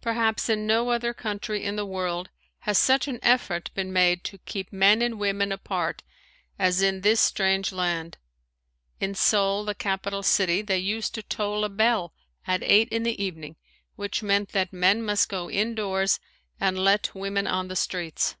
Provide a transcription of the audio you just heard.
Perhaps in no other country in the world has such an effort been made to keep men and women apart as in this strange land. In Seoul, the capital city, they used to toll a bell at eight in the evening which meant that men must go indoors and let women on the streets.